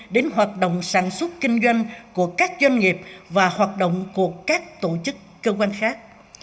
đến hoạt động sản xuất kinh doanh của các doanh nghiệp và hoạt động của các tổ chức cơ quan khác